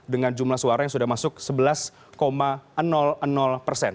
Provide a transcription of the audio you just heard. dengan jumlah suara yang sudah masuk sebelas persen